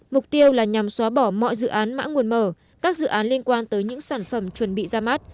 mục tiêu là nhằm xóa bỏ mọi dự án mã nguồn mở các dự án liên quan tới những sản phẩm chuẩn bị ra mắt